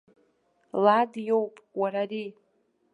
Лад иоуп, уара, ари!